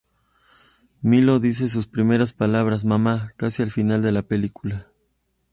Milo dice sus primeras palabras, "Mama", casi al final de la película.